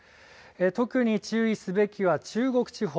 特に注意すべきは中国地方。